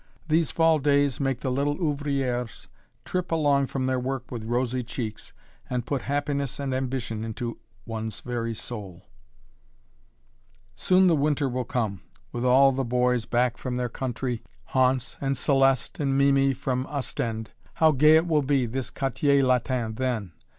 These fall days make the little ouvrières trip along from their work with rosy cheeks, and put happiness and ambition into one's very soul. [Illustration: A GROUP OF NEW STUDIOS] Soon the winter will come, with all the boys back from their country haunts, and Céleste and Mimi from Ostende. How gay it will be this Quartier Latin then!